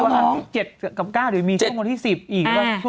วันที่๗กับ๙หรือมีช่วงวันที่๑๐อีก